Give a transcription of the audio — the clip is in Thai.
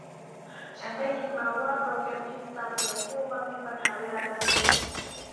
ฉันได้ยินมาว่าโปรแกรมพิมพ์ตามเสียงพูดมักมีปัญหาเวลากระซิบ